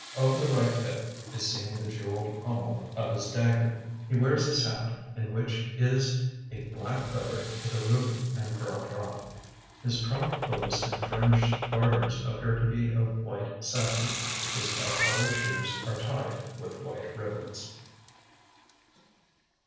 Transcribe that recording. Over the right hip is seen the jewelled pommel of his dagger. He wears his hat, in which is a black feather with a ruby and pearl drop. His trunk hose and fringed garters appear to be of white satin. His buff coloured shoes are tied with white ribbons.